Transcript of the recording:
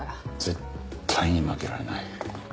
絶対に負けられない。